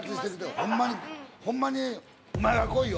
ホンマにホンマにお前が来いよ！